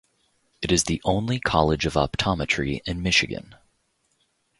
It is the only college of optometry in Michigan.